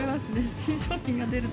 新商品が出ると。